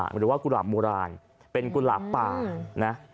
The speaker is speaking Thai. หรือว่ากุหลาบโบราณเป็นกุหลาบป่านะ